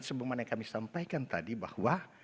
sebagaimana kami sampaikan tadi bahwa